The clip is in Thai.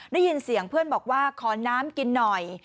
ได้ยินเสียงเพื่อนบอกว่าขอน้ำกินหน่อย